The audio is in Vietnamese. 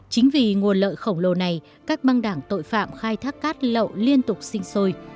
chính vì nguồn lợi khổng lồ này các băng đảng tội phạm khai thác cát lậu liên tục sinh sôi